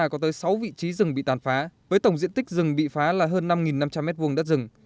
có tới sáu vị trí rừng bị tàn phá với tổng diện tích rừng bị phá là hơn năm năm trăm linh m hai đất rừng